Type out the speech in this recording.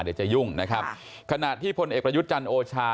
เดี๋ยวจะยุ่งนะครับขณะที่พลเอกประยุทธ์จันทร์โอชา